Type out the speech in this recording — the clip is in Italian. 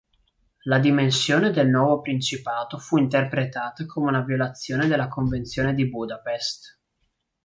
La dimensione del nuovo principato fu interpretata come una violazione della convenzione di Budapest.